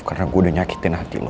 karena gue udah nyakitin hati lo